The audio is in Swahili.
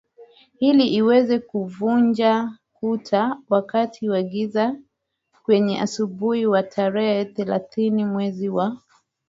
ili iweze kuvunja kutaWakati wa giza kwenye asubuhi wa tarehre thelathini mwezi wa